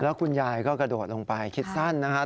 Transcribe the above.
แล้วคุณยายก็กระโดดลงไปคิดสั้นนะครับ